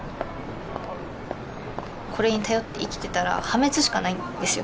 これに頼って生きてたら破滅しかないんですよ。